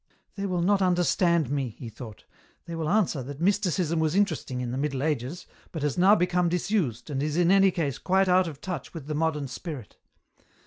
" They will not understand me," he thought ;" they will answer that Mysticism was interesting in the Middle Ages, but has now become disused and is in any case quite out of touch with the modern spirit.